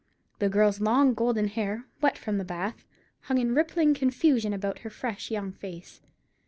The girl's long golden hair, wet from the bath, hung in rippling confusion about her fresh young face.